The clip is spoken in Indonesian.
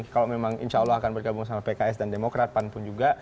kalau memang insya allah akan bergabung sama pks dan demokrat pan pun juga